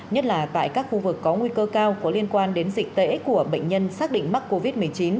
nhất là tại các khu vực có nguy cơ cao có liên quan đến dịch tễ của bệnh nhân xác định mắc covid một mươi chín